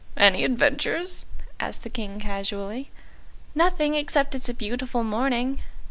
"Any adventures?" asked the King casually. "Nothing, except it's a beautiful morning."